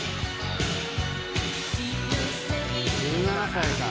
１７歳か。